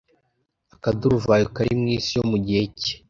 akaduruvayo kari mu isi yo mu gihe cye